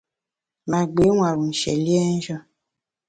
Ma gbi nwar-u nshié liénjù.